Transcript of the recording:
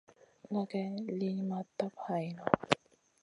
Laga geyn liyn ma tap hayna.